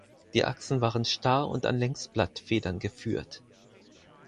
Die Achsen waren starr und an Längsblattfedern geführt.